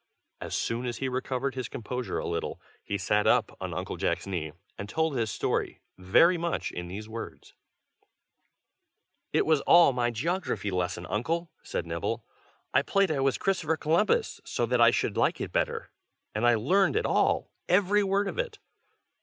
As soon as he recovered his composure a little, he sat up on Uncle Jack's knee, and told his story, very much in these words: "It was all my geography lesson, Uncle!" said Nibble. "I played I was Christopher Columbus, so that I should like it better, and I learned it all, every word of it.